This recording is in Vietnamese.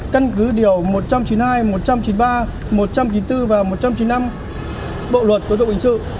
căn cứ điều một trăm chín mươi hai một trăm chín mươi ba một trăm chín mươi bốn và một trăm chín mươi năm bộ luật của tụ hình sự